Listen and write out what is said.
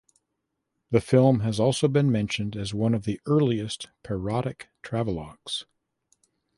The film has also been mentioned as one of the earliest parodic travelogues.